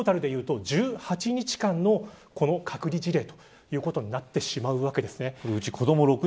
つまりトータルで言うと１８日間の隔離事例ということになってしまうわけです。